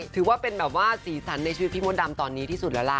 ถือว่าเป็นแบบว่าสีสันในชีวิตพี่มดดำตอนนี้ที่สุดแล้วล่ะ